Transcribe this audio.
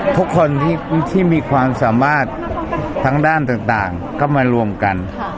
ทุกคนที่มีความสามารถทางด้านต่างก็มารวมกัน